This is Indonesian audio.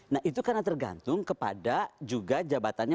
nah itu karena tergantung kepada juga jabatannya